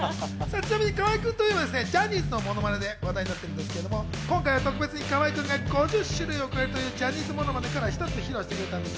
河合君といえばジャニーズのモノマネで話題になってますけど、今回は特別に河合君が５０種類を超えるというジャニーズモノマネから一つ披露してくれたんです。